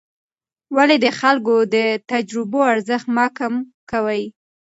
ولې د خلکو د تجربو ارزښت مه کم کوې؟